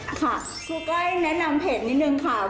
ครูก้อยแนะนำเพจนิดนึงค่ะ